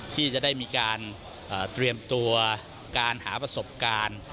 ที่จะได้มีการเตรียมตัวการหาประสบการณ์